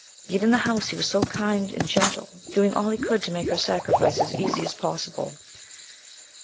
Yet in the house he was so kind and gentle, doing all he could to make her sacrifice as easy as possible.